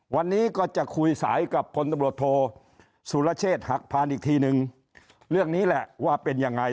วันนี้ก็จะคุยสายกับพลตำรวจโทสุรเชษฐ์หักพานอีกทีนึงเรื่องนี้แหละว่าเป็นยังไง